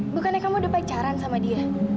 bukannya kamu udah pacaran sama dia